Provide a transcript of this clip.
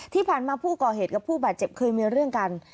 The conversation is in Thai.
ที่ผ่านมาผู้ก่อเหตุกับผู้บาดเจ็บเคยมีเรื่องกัน